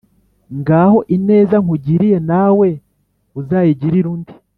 ngaho ineza nkugiriye nawe uzayigirire undi